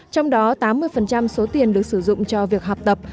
trong đó tám mươi số tiền được sử dụng cho việc học tập